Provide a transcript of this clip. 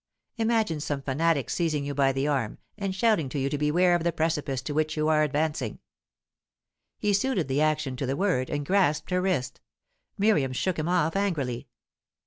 Imagine some fanatic seizing you by the arm, and shouting to you to beware of the precipice to which you are advancing " He suited the action to the word, and grasped her wrist. Miriam shook him off angrily.